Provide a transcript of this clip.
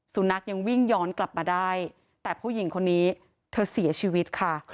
สุนัขยังวิ่งย้อนกลับมาได้แต่ผู้หญิงคนนี้เธอเสียชีวิตค่ะ